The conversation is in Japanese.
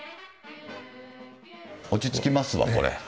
落ち着きますわこれ。